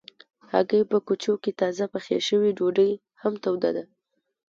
هګۍ په کوچو کې تازه پخې شوي ډوډۍ هم توده ده.